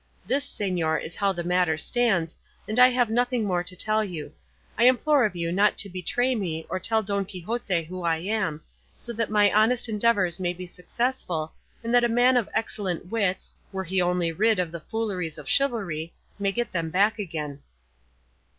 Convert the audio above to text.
This, señor, is how the matter stands, and I have nothing more to tell you. I implore of you not to betray me, or tell Don Quixote who I am; so that my honest endeavours may be successful, and that a man of excellent wits were he only rid of the fooleries of chivalry may get them back again."